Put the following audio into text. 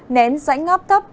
nén rãnh áp thấp